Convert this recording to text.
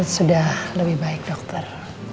sudah lebih baik dokter